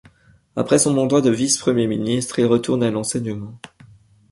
Après son mandat de vice-premier ministre, il retourne à l'enseignement.